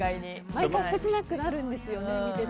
毎回、切なくなるんですよね見てて。